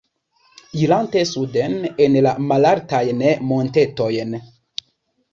Irante suden en la malaltajn montetojn.